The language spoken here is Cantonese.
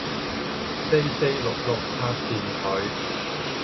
四四六六拆掂佢